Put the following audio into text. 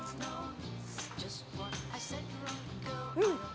うん！